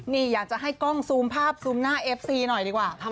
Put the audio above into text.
นี่อยากจะให้กล้องซูมภาพซูมหน้าเอฟซีหน่อยดีกว่า